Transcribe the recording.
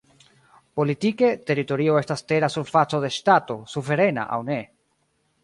Politike, teritorio estas tera surfaco de Ŝtato, suverena aŭ ne.